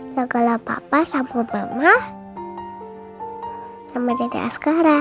jagalah papa sama mama sama dedek sekarang